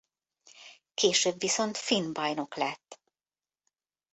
Később viszont Finn Bajnok lett.